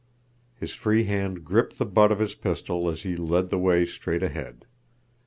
His free hand gripped the butt of his pistol as he led the way straight ahead.